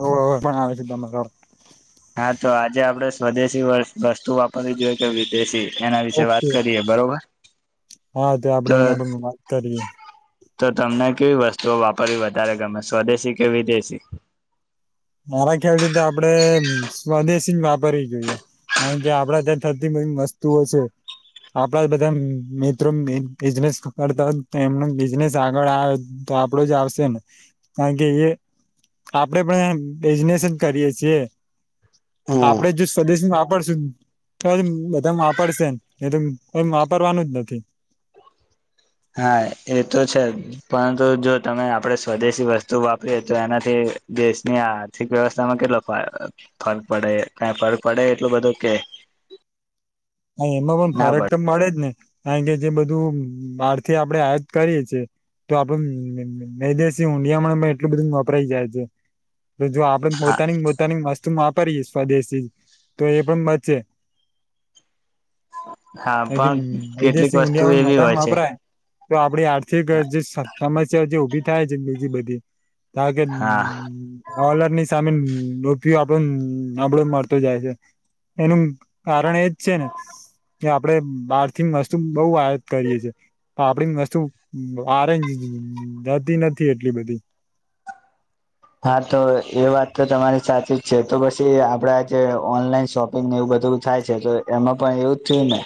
હો હો પણ આવે છે તમારાર હા તો આજે આપડે સ્વદેશી વસ્તુ વાપરવી જોઈએ કે વિદેશી એના વિશે વાત ઓકે કરીએ બરોબર. હા તે આપડે તો એના પણ વાત કરીએ તો તમને કેવી વસ્તુઓ વાપરવી વધારે ગમે સ્વદેશી કે વિદેશી. મારા ખ્યાલ થી તો આપડે સ્વદેશી જ વાપરવી જોઈએ. કાર કે આપડે ત્યાં થરતી બધી મસ્તુ હોય છે. આપડા બધા મિત્રો બિઝનેસ કરતા હો એમનું બિઝનેસ આગળ આવે તો આપડો જ આવશે ને કારણ કે એ આપડે પણ ડિઝનેસ જ કરીએ છીએ આપડે જો સ્વદેશમાં વાપરશું તો બધા વાપરશે એ તો કો વાપરવાનું જ નથી. હા એ તો છે પરંતુ જો તમે આપણેે સ્વદેશી વસ્તુ વાપરીએ તો એનાથી દેશની આર્થિક વ્યવસ્થામાં કેટલો ફરક પડે ક ફરક પડે એટલું બધો કે [inaudible] હા એમાં પણ ના ફરક પડે તો મળે જ ને કારણ કે જે બધું આારથી આપણેે હયાત કરીએ છ છેએ તો આપડે મેદેશી ઊડિયામાં એટલું બધું વપરાય જાય છે. તો જો આપડે હા પોતાની પોતાની મસ્ત વાપરીયએ સ્વદેશથી તો એ પણ બચે હા કેમ પણ એ કેટલીક દેશ વસ્તુ ઊડિયા એવી હોય મધામાં છે વાપરાય તો આપડી આર્થિક જે સમસ્યા જે ઉઊભી થાય છે બીજી બધી આગન હા હલર ની સામે રપયો આપડો આપડો મળતો જાય છે. એનું કારણ એજ છે ને કે આપડે બહાર વસ્તુ બઉુ આયાત કરીએ છેએ આપડી વસ્તુ ઓરેન્જ હમ જાતી નથી એટલી બધી. હા તો એ વાત તો તમારી સાચી જ છે તો પછી એ આપડે આજે ઓનલાઈન શોપિંગને એવું બ થાય છે તો એમાં પણ એવું જ થયું ને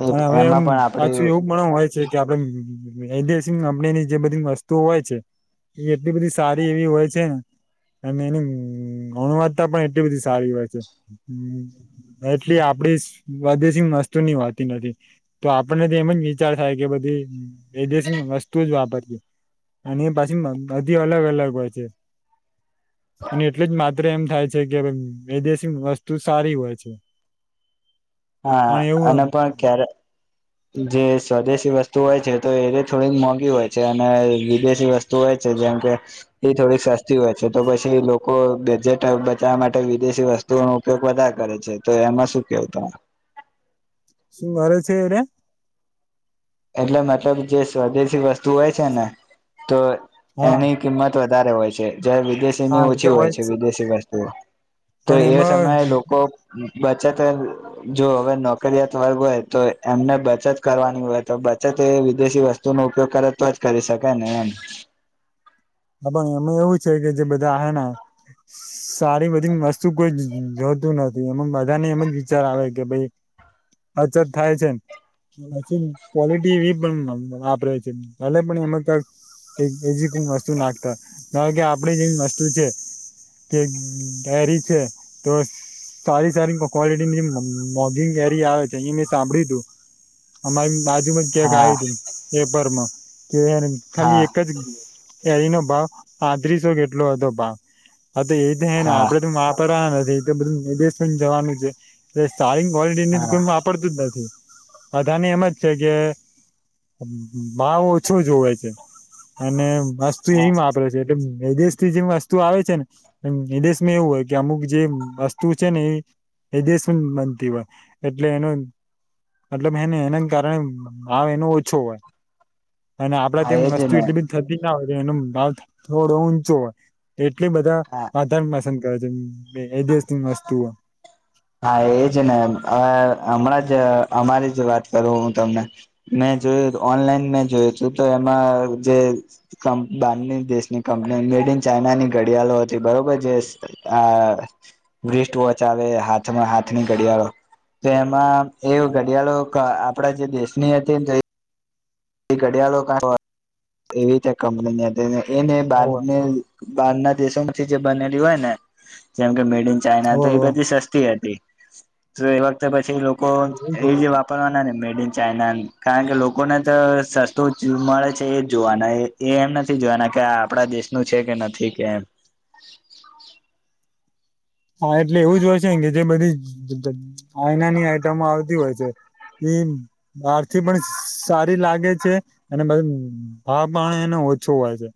તો અને હવે એમ એમાં પણ આપડી પાછું એવું પણ હોય છે કે આપડે એસ કંપનીની જે બધી વસ્તુ હોય છે એ એટલી બધી સારી એવી હોય છે ને અને એની ગુણવત્તા પણ એટલી બધી સારી વાત છે એટલી આપ વાદ્યસિંહ માસ્તુર ની વાત નથી તો આપણને તો એમ જ વિચાર થાય કે બધી વૈદેશિક વસ્તુ જ વાપરીએ અને એ પાછી બધી અલગ અલગ હોય છે. અને એટલું જ માત્ર એમ થાય છે કે એદેશી વસ્તુ સારી હોય છે. [inaudible] હા અને પણ ક્યારે જે સ્વદેશી વસ્તુ હોય છે તો એ થોડીક મોંઘી હોય છે અને વિદેશી વસ્તુ હોય છે. જેમકે એ થોડીક સસ્તી હોય છે તો પછી લોકો બજેટ બચાવવા માટે વિદેશી વસ્તુ ન ઉપયોગ વધારે કરે છે તો એમાં શું કેવ તમે. શું મારે છે એને એટલે મતલબ જે સ્વદેશી વસ્તુ હોય છે ને તો હા એની કિંમત વધારે હોય છે જ હા વિદેશીની એ તો ઓછી હોય જ છે વિદેશી વસ્તુઓ તો પણ એ એમાં સમયે લોકો બચત અહ જો હવે નોકરીયાત વર્ગ હોય તો એમને બચત કરવાની હો તો બચત એ વિદેશી વસ્તુનો ઉપયોગ કરે તો જ કરી શકે ને એમ. હા, પણ એમાં એવું છે કે જે બધા હૈના સારી બધી વસ્તુ કોઈ જોતું નથી એમાં બધાને એમ જ વિચાર આવે કે ભઈ હછત થાય છે એમ. પછી ક્વોલિટી એવી પણ વા-વાપરે છે. ભલે પણ એમાં તસ [inaudible] એજી કોઈ વસ્તુ નાખતા ધારો કે આપણે જેવી વસ્તુ છે કે ડરી છે તો સારી સારી ક્વલિટીની જે મો-મોગિંગ ગેરી આવે છે અહી મેં સાંભળ્યું તું અમારી બાજુમાં જ ક્યાંક હા આવ્યું તું પેપરમાં. કે ખાલી હા એક જ કેરીનો ભાવ પાંત્રીસો કે એટલો હતો ભાવ. હા એજ છે ને હા આપડે તો વાપરવા નથી એ તો બધું વિદેશમાં જ જવાનું છે એ સારી ક્વોલિટીની તો હા કોઈ વાપરતું જ નથી બધાને એમ જ છે કે હમ્મ હમ્મ ભાવ ઓછો જોવે છે અને વસ્તુ હા ઈ વાપરે છે. એ વિદેશથી જેમ વસ્તુ આવે છેને વિદેશમાં એવું હોય કે અમુક જે વસ્તુ છે ને એ વિદેશમાં જ બનતી હોય. એટલે એનું મતલબ એને એનાં કારણે ભાવ એનો ઓછો હોય. અને આપણે હા ત્યાં એજ વસ્તુ ને એટલી બધી થતી ના હોય એનો ભાવ થો-થોડો ઊંચો હોય. તે એટલી બધા હા વધારે પસંદ કરે છે વિદેશની વસ્તુઓ. હા એજને અહ હમણાં જ અમારી જ વાત કરું હું તમને મેં જે ઓનલાઈન મેં જોયું હતું તો એમાં જે કમ બહારની દેશની કંપની એની મેડ ઇન ચાઈનાની ઘડિયાળ હતી બરોબર જે આહ વેઇસ્ટવોચ આવે હાથ તમારા હાથની ઘડિયાળો તો એમાં એ ઘડિયાળો કા આપણા જે દેશની હતી ને તો એ ઘડિયાળો કા [unintelligible] એવી કંપની એને હોવે બારને બહારના દેશોમાંથી જે બનેલી હોયને જેમ કે મેડ ઇન ચાાઈના તો હોવે એ બધી સસ્તી હતી. તો એ વખતે પછી લોકો એવી હોવે જે વાપરવાના ને મે ડ ઇન ચાઈના. કારણ કે લોકોને ત સસ્તુંજ મળે છે એજ જોવાના એ એમ નથી જોવાના કે આ આપણા દેશનું છે કે નથી. કેમ. [inaudible] હા એટલે એવું જ હોય છેને કે જે બધી ચ ચ ચાઈનાની આઈટમો આવતી હોય છે એ બહારથી પણ સારી લાગે છે અને બધુ ભાવ પણ એને ઓછો હોય છે.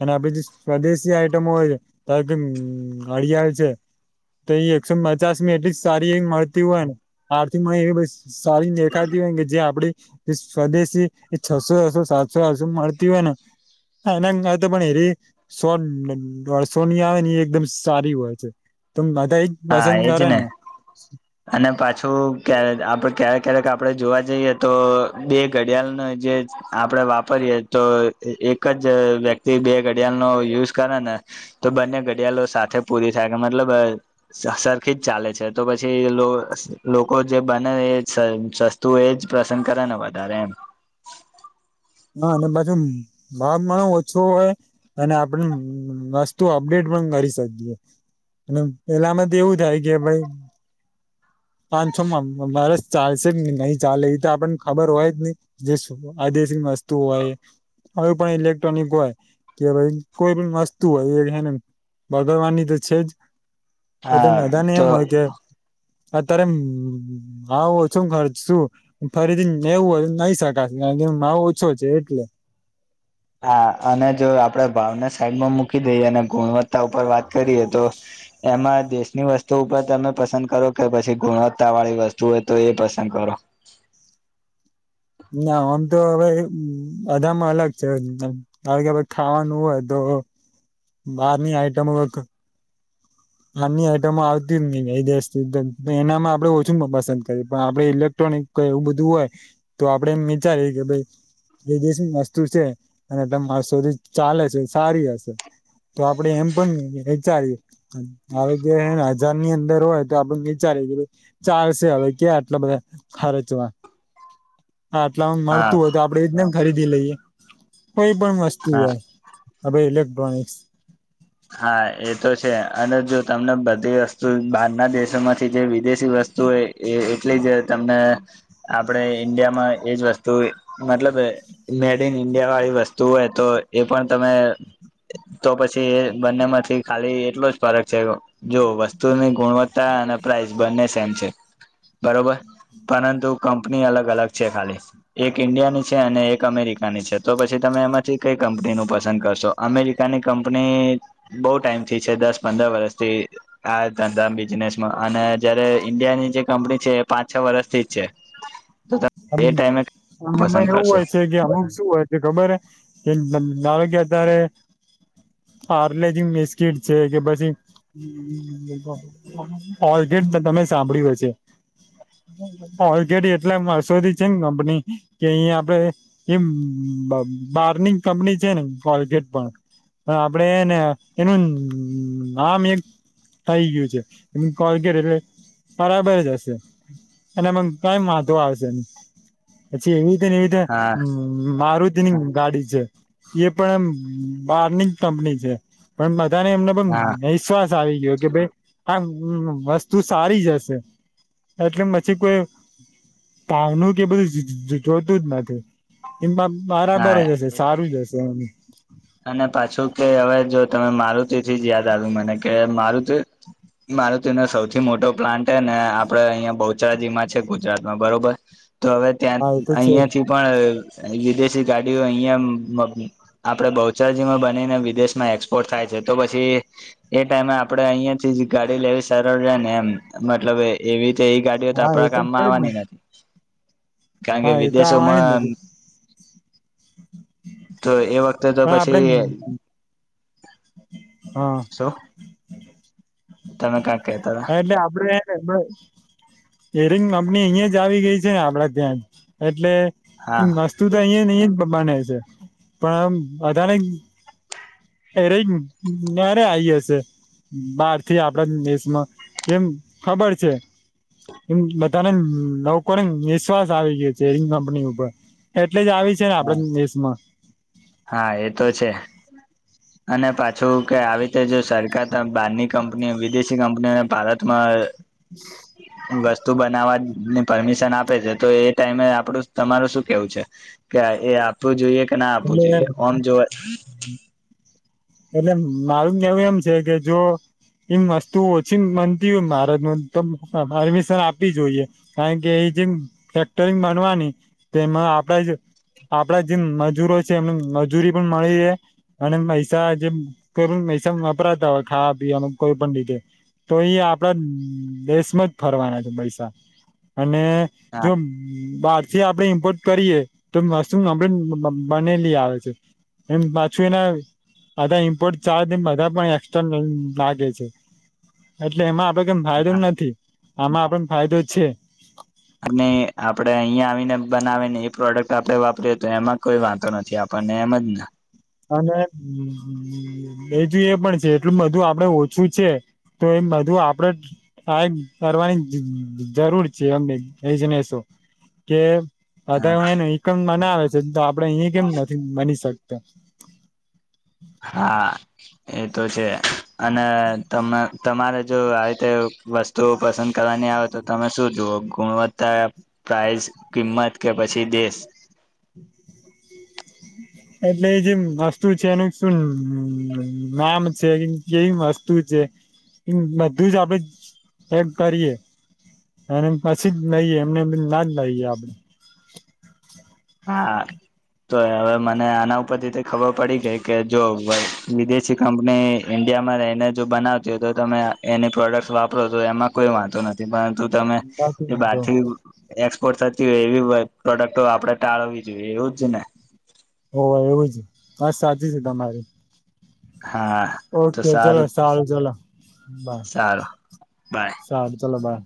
અને આ પછી સ્વદેશી આઈટમો હોય છે, ધારો કે અમ્મ ઘડિયાળ છે તો એ એકસો પચાસમાં એટલી સારી એવી મળતી હોય ને આરથી માં એ બસ સારી દેખાતી હોય કે જે આપણે તે સ્વદેશી એ છસો-છસો સાતસો-આઠસોમાં મળતી હોય ને હા એને એમ હોય તો પણ એ રહી એ સો- દોઢસોની આવેને એકદમ સારી હોય છે. તો બધા એજ હા, પસંદ એજ કરે ને અને પાછું ક્યાર આપણે ક્યારેક ક્યારેક આપણે જોવા જઈએ તો બે ઘડિયાળના જે આપણે વાપરીયએ તો એ એક જ વ્યક્તિ બે ઘડિયાળનો યુઝ કરે ને તો બંને ઘડિયાળો સાથે પૂરી થાય. મતલબ અહ સ-સરખી જ ચાલે છે તો પછી લો-લોકો જે બને એ સ-સસ્તુ એ પસંદ કરે ને વધારે એમ. [inaudible] હા અને પાછુ ભાવ પણ ઓછો હોય અને આપણને અમ્મ વસ્તુ અપડેટ પણ કરી શકીએ. અને પેલામાં તો એવું થાય કે ભઈ પાંચસોમાં વર્ષ ચાલશે કે નહી ચાલે એતો આપણને ખબર હોય જ નહી. જે આ દેશી વસ્તુ હોય હવે પણ ઇલેક્ટ્રોનિક હોય કે ભાઈ કોઈપણ વસ્તુ હોય એ. બગડવાની તો છે જ એટલે હા બધાને એમ તો હોય કે અત્યારે ભાવ ઓછો ખર્ચશુ ફરીથી લેવુ હોય લ‌ઈ શકાય એમ. કારણકે ભાવ ઓછો છે એટલે હા અને જો આપણે ભાવને સાઈડમાં મૂકી દઈએ અને ગુણવત્તા ઉપર વાત કરીએ તો એમાં દેશની વસ્તુ ઉપર તમે પસંદ કરો કે પછી ગુણવત્તાવાળી વસ્તુ હોય તો એ પસંદ કરો? કરો. [inaudible] ના આમ તો હવે એ બધામાં અલગ છે કે ખાવાનું હોય તો ઓ બહારની આઈટમ આની આઈટમો આવતી જ ન દ એનામાં આપડે ઓછું પસંદ કરીએ પણ આપડે ઇલેક્ટ્રોનિક ક એવું બધું હોય તો આપડે એમ વિચારીએ કે ભાઈ. એ વિદેશ વસ્તુ છે. અને એ સુધી ચાલે છે. સારી હશે તો આપડે એમ પણ વિચારીએ હવે કે હજાર ની અંદર હોય તો આપડે વિચારી કે ભઈ ચાલશે હવે ક્યા આટલા બધા ખચવા હા આટલા હ હા મળતું હોય તો આપડે એ જ ને ખરીદી લઈએ. કોઈ પણ વસ્તુ હા હોય આ ભી ઇલેક્ટ્રોનિક્સ હા એ તો છે અને જો તમને બધી વસ્તુ બહારના દેશોમાંથી જે વિદેશી વસ્તુ એટલી જ તમને આપડે ઈન્ડિયામાં એજ વસ્તુ મતલબ મેડ ઇન ઇન્ડિયા વાળી વસ્તુ હોય તો એ પણ તમે તો પછી બંને માંથી ખાલી એટલો જ ફરક છે. જો વસ્તુની ગુણવત્તા અને પ્રાઇસ બંને સેમ છે. બરોબર. પરંતુ કંપની અલગ અલગ છે. ખાલી એક ઈન્ડિયાની છે. અને એક અમેરિકાની છે. તો પછી તમે એમાંથી કઈ કંપની નું પસંદ કરશો અમેરિકાની કંપની બહુ ટાઈમથી છે. દસ પંદર વર્ષથી આ ધંધા બિઝનેસમાં અને જયારે ઈન્ડિયા ત્યાંની જે કંપની છે. એ પાંચ છ. વર્ષથી જ છે. [inaudible] એ એવું પસંદ કરશો હોય છે. કે હમ શું હોય છે. ખબર કે [unintelligible] ધારો કે અત્યારે પાલેજી બિસ્કીટ છે. કે પછી કોલગેટ તમે સાંભળ્યું હશે છે. ઓલગેડી એટલે શોધી છે. ને કંપની કે અહી આપડે એ બારનીં કંપની છે. ને કોગેટ પણ આપડેને એનું આમ એક થઈ ગયું છે. એ કોલર્ગેટ એટલે બરાબર જ હશે. અને એમાં કઈ વાંધો આવશે પછી એવી રીતેને એવી રીતે હા મારું ગાડી છે. એ પણ એમ બારની જ કંપની છે. પણ બધાને એમને પણ હા વિશ્વાસ આવી ગયો કે ભાઈ આ વસ્તુ સારી હશે. એટલે પછી કોઈ ભાવનું કે બધું જોતું જ નથી. એમાં બરાબર હા જ હશે એ તો સારું છે. જ હશે એમ અને પાછું કે હવે જો તમે મારુંતી તેથી જ યાદ આવ્યું મને કે મારુંતી તો મારૂતિ તનો સૌથી મોટો પ્લાન્ટ હ ને આપડે અહિયા યા બહુચરાજીમાં છે. ગુજરાતમાં બરોબર તો હવે ત્યાં હા એ તો છે જ અહિયાં થી પણ વિદેશ ગાડીઓ અહિયાં આપડે બહુચરજીમાં બનીને વિદેશમાં એક્સપોર્ટ થાય છે. તો પછી એ ટાઈમે આપડે અહિયાં થી જ ગાડી લેવી સરળ રહે ને એમ મતલબ એવી. તે એ ગાડીઓ તો હા એ આપણા કામમાં છે જ ને આવવાની નથી કારણ કે હા એ તો આવવાની જ વિદેશોમાં નથી તો એ વખતે તો પણ આપડે પછી હા શું [unintelligible] તમે કા [unintelligible] હને આભ્ર એ [unintelligible] યેરિંગ કંપની અહીંયા જ આવી ગઈ છે. ને આપડાે ત્યાં એટલે હતા વસ્તુ તો અહીંયા નહી. ને છે. પણ બધાંને એરે રે આઈ હશે [unintelligible] બાર થી આપડા દેશમાં કેમ ખબર છે. એમ બધાને લોકો ને વિશ્વાસ આવી ગયો છેરિંગ કંપની ઉપર. એટલે જ આવી છે. ને હા આપડા દેશમાં હા એ તો છે. અને પાછું કે આવી રીતે જો સરકાર બહારની કંપનીઓ વિદેશી કંપનીઓને ભારતમાં [inaudible] વસ્તુ બનાવવાની પરમિશન આપે છે. તો એ ટાઈમે આપડું તમારું શું કેવું છે. કે એ આપવું જોઈએ કે ના આપવું એટલે જોઈએ આમ જો એટલે મારું કેવું એમ છે કે જો ઈમ વસ્તુ ઓછી મનતી ભારતમાં તો પરમિશન આપવી જોઈએ કારણ કે એ જીમ ફેકરી બનવાની તેમાં આપડા જ આપડા જેમ મજૂરો છે એમને મજૂરી પણ મળી રહે અને પૈ [unintelligible] કોઈ પણ પૈસા વપરાતા હોય ખાવા પીવાનું કોઈ પણ રીતેે તો એ આપડા દેશમાં જ ફરવાના છે પૈસા ને હા જો બાદ જે આપણે ઇમ્પોર્ટ કરીએ તો વસ્તુ કમ્પ્લેટ બ્બનેલી આવે છે. એમ પાછું એના બધા ઇમ્પોર્ટ ચાર્જ બધા પણ એસ્ટ્રા લાગે છે એટલે એમાં તો કેમ ફાયદો હા નથી આમાં આપણન ફાયદો છે અને આપડે અહીંયા આવીને બનાવીને એ પ્રોડક્ટ આપડે વાપરીએ તો એમાં કોઈ વાંધો નથી. આપડ [unintelligible] નેમજન અને બજું એ પણ છે એટલું બધું આપડે ઓછું છે તો એમ બધું આપણે થાય એ કરવાની જરૂર છે એમ એજનેસો. કે હા બધા એવાહેને ઇકન મનાવે છે, તો આપડે અહીંયા કેમ નથી બની શકતા. હા એતો છે અને તમ તમારે જો આવી રીતે વસ્તુઓ પસંદ કરવાની આવે તો તમે શું જુઓ ગુણવત્તા પ્રાઈઝ, કિંમત કે પછી દેશ. [inaudible] એટલે એ જેમ વસ્તુ છે, એનું શું નામ છે, કેવી વસ્તુ છે. બધું જ આપડે હેક કરીએ. [unintelligible] અને પછી જ લઈ એમનેમ ના જ લઈએ આપ હા. તો હવે મને આના ઉપરથી ખબર પડી ગઈ કે જો વિદેશી કંપની ઇન્ડિયામાં રહીને જો બનાવતી હોય તો તમે એની પ્રોડક્ટ્સ વાપરો તો એમાં કોઈ વાંંધો નથી, પરંતુ તમે બાકી ન તો બારથી [unintelligible] એમ્પોર્ટ થતી હોય એવી પ્રોડક્ટ આપડે ટાળવી જોઈએ એવું જ ને. હોવ એવું જ વાત સાચી છે તમારી. હા ઓકે ચલો સારું ચલો બાય. સારું બાય સારું ચલો બાય.